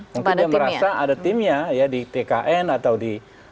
mungkin dia merasa ada timnya ya di tkn atau di